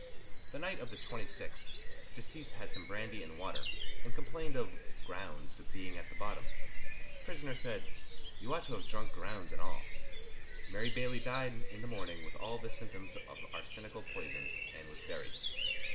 The night of the 26th deceased had some brandy and water, and complained of "grounds" being at the bottom. Prisoner said, "You ought to have drunk grounds and all." Mary Bailey died in the morning with all the symptoms of arsenical poison, and was buried.